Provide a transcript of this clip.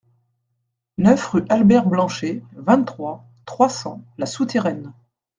neuf rue Albert Blanchet, vingt-trois, trois cents, La Souterraine